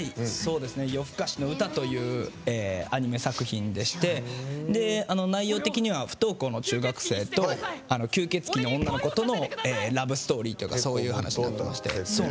「よふかしのうた」というアニメ作品でして内容的には不登校の中学生と吸血鬼の女の子とのラブストーリーというかそういう話になってまして。